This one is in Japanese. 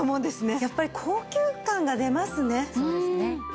やっぱり高級感が出ますね。